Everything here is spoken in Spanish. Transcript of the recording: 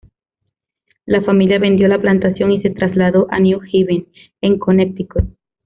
La familia vendió la plantación y se trasladó a New Haven, en Connecticut.